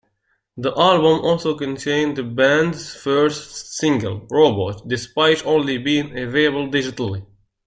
The album also contained the band's first single, "Robot", despite only being available digitally.